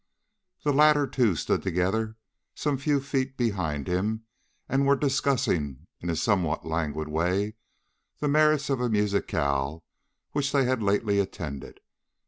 The latter two stood together some few feet behind him, and were discussing in a somewhat languid way, the merits of a musicale which they had lately attended.